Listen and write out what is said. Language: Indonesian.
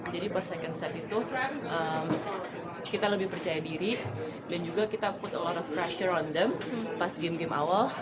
jadi pas second serve itu kita lebih percaya diri dan juga kita put a lot of pressure on them pas game game awal